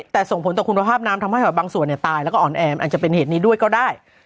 แต่ส่งผลต่อคุณภาพน้ำทำให้บางส่วนตายแล้วก็อ่อนแออาจจะเป็นเหตุนี้ด้วยก็ได้